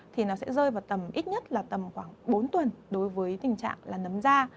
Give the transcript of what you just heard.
thì nó sẽ rơi vào tầm ít nhất là tầm khoảng bốn tuần đối với tình trạng là nấm da